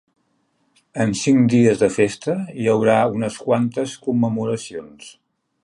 En cinc dies de festa, hi haurà unes quantes commemoracions.